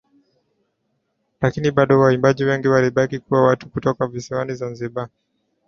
Lakini bado waimbaji wengi walibaki kuwa watu kutoka visiwani zanzibar